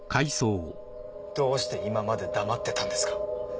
どうして今まで黙ってたんですか